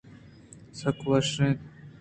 سک وش اِنت